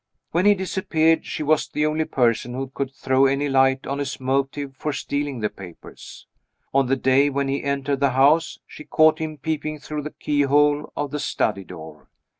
When he disappeared, she was the only person who could throw any light on his motive for stealing the papers. On the day when he entered the house, she caught him peeping through the keyhole of the study door.